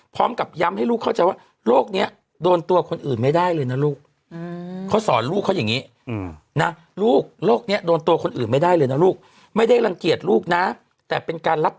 พร้อมกับย้ำให้เขาเข้าใจว่า